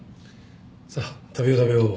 さあ食べよう食べよう。